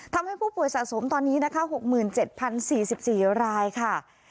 ทำให้ผู้ผู้ผู้ป่วยตัวเล็กษาส่วนต่อนี้๖๗๐๔๔รายค่ะ